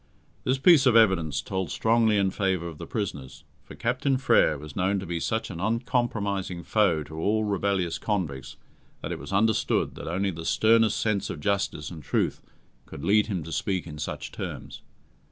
This piece of evidence told strongly in favour of the prisoners, for Captain Frere was known to be such an uncompromising foe to all rebellious convicts that it was understood that only the sternest sense of justice and truth could lead him to speak in such terms.